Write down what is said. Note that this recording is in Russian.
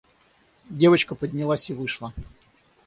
Девочка поднялась и вышла.